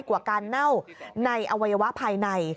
กว่าการเน่าในอวัยวะภายใน